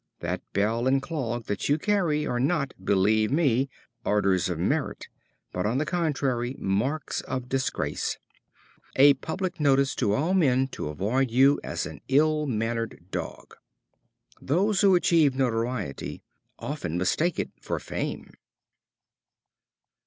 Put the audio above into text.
That bell and clog that you carry are not, believe me, orders of merit, but, on the contrary, marks of disgrace, a public notice to all men to avoid you as an ill mannered dog." Those who achieve notoriety often mistake it for fame.